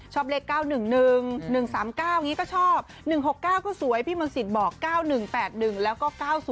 ชอบเลข๙๑๑๑๑๓๙อย่างนี้ก็ชอบ๑๖๙ก็สวยพี่มนต์สิทธิ์บอก๙๑๘๑แล้วก็๙๐